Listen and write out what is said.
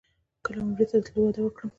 کله عمرې ته د تللو وعده وکړم.